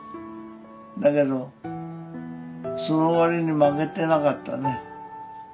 だけどそのわりに負けてなかったね。